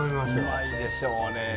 うまいでしょうね。